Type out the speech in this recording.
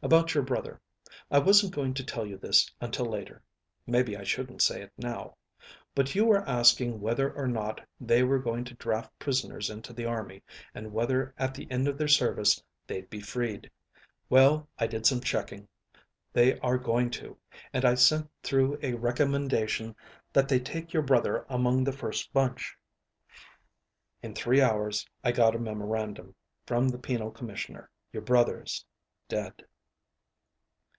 "About your brother. I wasn't going to tell you this until later. Maybe I shouldn't say it now. But you were asking whether or not they were going to draft prisoners into the army; and whether at the end of their service, they'd be freed. Well, I did some checking. They are going to, and I sent through a recommendation that they take your brother among the first bunch. In three hours I got a memorandum from the penal commissioner. Your brother's dead."